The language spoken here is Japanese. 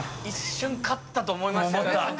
一瞬勝ったと思いました。